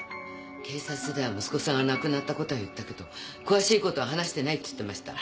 警察では息子さんが亡くなったことは言ったけど詳しいことは話してないと言ってました。